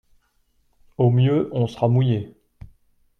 Au mieux on sera mouillé.